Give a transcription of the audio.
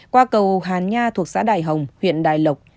qua cầu hà nha thuộc xã đại hồng huyện đại lộc